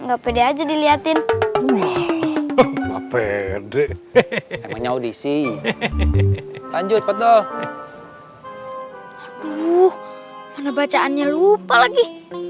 enggak pede aja dilihatin wih pede hehehe udisi lanjut betul aduh bacaannya lupa lagi